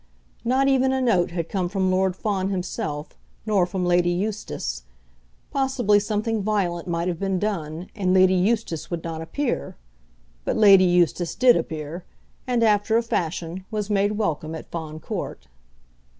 Not even a note had come from Lord Fawn himself, nor from Lady Eustace. Possibly something violent might have been done, and Lady Eustace would not appear. But Lady Eustace did appear, and, after a fashion, was made welcome at Fawn Court.